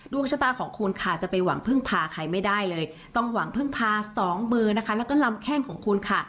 ดวงชะตาของคุณค่ะจะไปหวังพึ่งพาใครไม่ได้เลยต้องหวังพึ่งพาสองมือนะคะแล้วก็ลำแข้งของคุณค่ะ